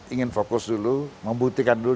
ingin fokus dulu membuktikan dulu